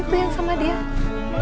siapa yang sama dia